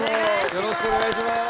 よろしくお願いします。